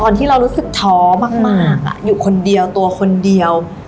มาคุยกับพ่อของพี่เมย์